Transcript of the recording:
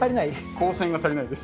光線が足りないです。